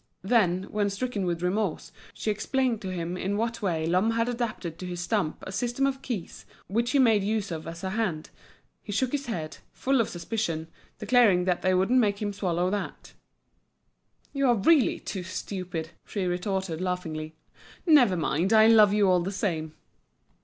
Then, when stricken with remorse, she explained to him in what way Lhomme had adapted to his stump a system of keys which he made use of as a hand, he shook his head, full of suspicion, declaring that they wouldn't make him swallow that. "You are really too stupid!" she retorted, laughingly. "Never mind, I love you all the same."